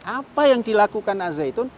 apa yang dilakukan al zaitun